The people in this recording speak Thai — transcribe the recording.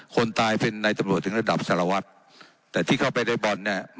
คนตายเป็นในตำรวจถึงระดับสารวัตรแต่ที่เข้าไปในบ่อนเนี่ย